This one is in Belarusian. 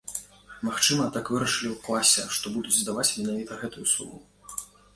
Магчыма, так вырашылі ў класе, што будуць здаваць менавіта гэтую суму.